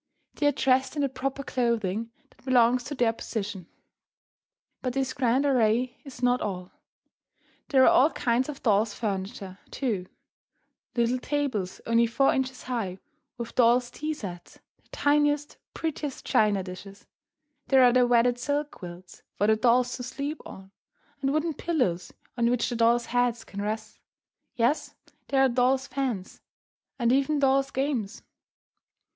They are dressed in the proper clothing that belongs to their position. But this grand array is not all. There are all kinds of doll's furniture, too, little tables only four inches high, with dolls' tea sets, the tiniest, prettiest china dishes. There are the wadded silk quilts for the dolls to sleep on, and wooden pillows on which the doll heads can rest. Yes, there are dolls' fans, and even dolls' games.